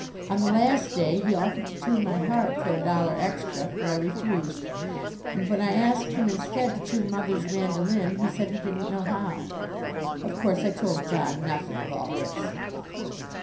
On the last day he offered to tune my harp for a dollar extra, but I refused, and when I asked him instead to tune Mother's mandoline he said he didn't know how. Of course I told John nothing of all this.